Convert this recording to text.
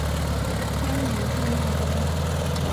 千年纪念碑。